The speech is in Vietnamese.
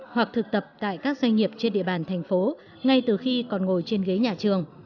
hoặc thực tập tại các doanh nghiệp trên địa bàn thành phố ngay từ khi còn ngồi trên ghế nhà trường